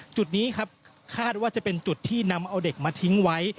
จุดนี้ครับคาดว่าจะเป็นจุดที่นำเอาเด็กมาทิ้งไว้